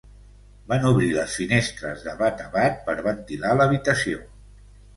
Van obrir les finestres de bat a bat per ventilar l'habitació.